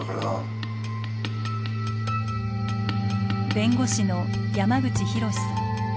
弁護士の山口広さん。